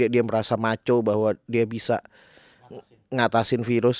dia merasa maco bahwa dia bisa ngatasin virus